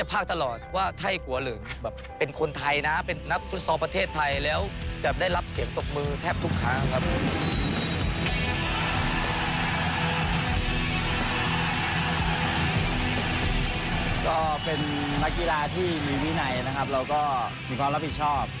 ภาคกีฬาที่มีวินัยเราก็มีความรับผิดชอบ